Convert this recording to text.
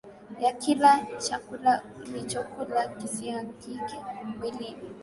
ya kile chakula ulichokula kisiagike mwilini